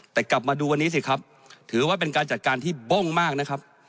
แต่กลับมาดูวันนี้สิครับถือว่าเป็นการจัดการที่บ้งมากนะครับ